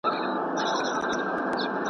چي استاد یې وو منتر ورته ښودلی.